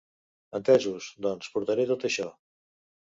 Entesos, doncs portaré tot això!